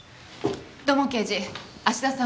土門刑事芦田さんは？